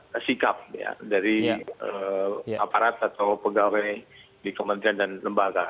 ada sikap ya dari aparat atau pegawai di kementerian dan lembaga